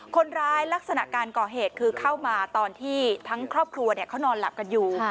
ลักษณะการก่อเหตุคือเข้ามาตอนที่ทั้งครอบครัวเขานอนหลับกันอยู่